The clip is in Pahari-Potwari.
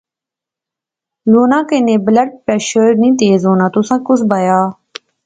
لُوناں کنے بلڈ پریشر نی تیز ہونا تساں کُس بایا